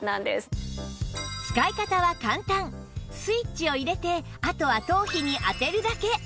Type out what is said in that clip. スイッチを入れてあとは頭皮に当てるだけ！